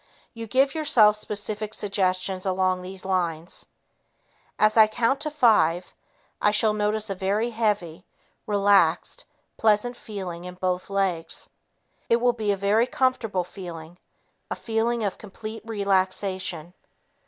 You give yourself specific suggestions along these lines: "As I count to five, I shall notice a very heavy, relaxed, pleasant feeling in both legs. It will be a very comfortable feeling; a feeling of complete relaxation."